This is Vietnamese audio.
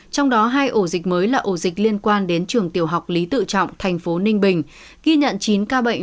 trong đó hai ổ dịch mới là ổ dịch liên quan đến trường tiểu học lý tự trọng thành phố ninh bình ghi nhận chín ca bệnh